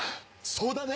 そうだね。